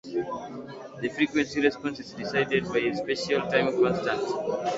The frequency response is decided by special time constants.